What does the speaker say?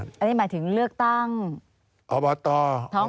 การเลือกตั้งครั้งนี้แน่